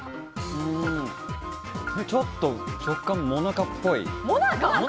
ちょっと食感、もなかっぽい。